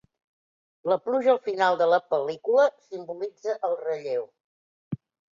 La pluja al final de la pel·lícula simbolitza el relleu.